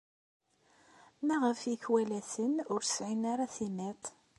Maɣef ikwalaten ur sɛin ara timiḍt?